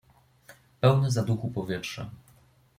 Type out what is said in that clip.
"Pełne zaduchu powietrze."